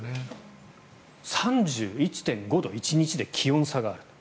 ３１．５度１日で気温差がある。